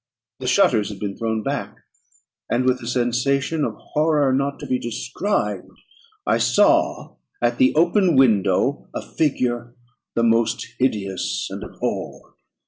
The shutters had been thrown back; and, with a sensation of horror not to be described, I saw at the open window a figure the most hideous and abhorred.